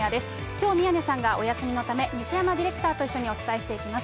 きょう宮根さんがお休みのため、西山ディレクターと一緒にお伝えしていきます。